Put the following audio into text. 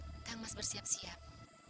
hai kang mas bersiap siap